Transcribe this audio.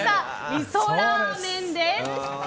みそラーメンです！